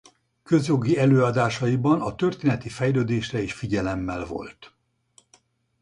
Közjogi előadásaiban a történeti fejlődésre is figyelemmel volt.